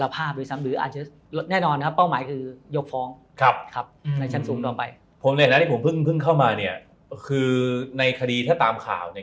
ผมเลยนะที่ผมเพิ่งเข้ามาเนี่ยคือในคดีถ้าตามข่าวเนี่ย